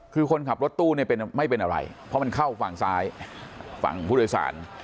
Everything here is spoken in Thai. คือคนขับรถตู้เนี่ยไม่เป็นอะไรเพราะมันเข้าฝั่งซ้ายฝั่งผู้โดยสาร